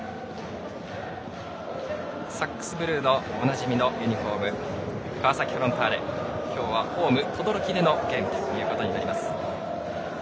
サックスブルーのおなじみのユニフォーム川崎フロンターレ、今日はホーム等々力でのゲームということになります。